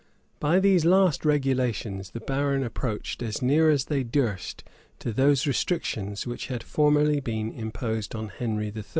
[*] By these last regulations, the barons approached as near as they durst to those restrictions which had formerly been imposed on Henry III.